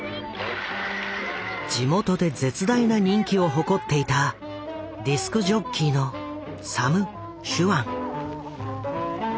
地元で絶大な人気を誇っていたディスクジョッキーのサム・シュアン。